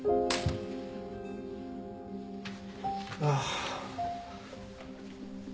ああ。